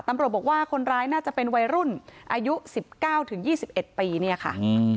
ตำรวจบอกว่าคนร้ายน่าจะเป็นวัยรุ่นอายุ๑๙๒๑ปีเนี่ยค่ะ